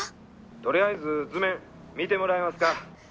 ☎とりあえず図面見てもらえますか？